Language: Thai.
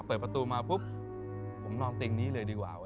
เปิดประตูมาปุ๊บผมนอนเตียงนี้เลยดีกว่า